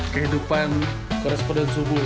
kehidupan koresponden subuh